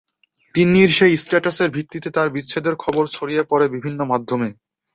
তিন্নির সেই স্ট্যাটাসের ভিত্তিতে তাঁর বিচ্ছেদের খবরটি ছড়িয়ে পড়ে বিভিন্ন মাধ্যমে।